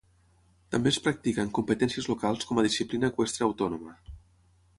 També es practica en competències locals com a disciplina eqüestre autònoma.